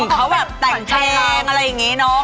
เขาแบบแต่งเพลงอะไรอย่างนี้เนอะ